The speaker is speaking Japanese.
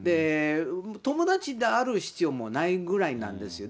友達である必要もないぐらいなんですよ。